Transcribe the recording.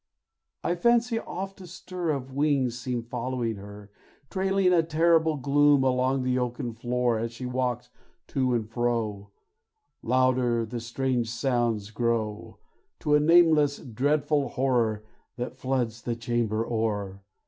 I fancy oft a stir, Of wings seem following her, Trailing a terrible gloom along the oaken floor, As she walks to and fro; Louder the strange sounds grow To a nameless, dreadful horror, that floods the chamber o'er.